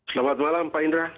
selamat malam pak indra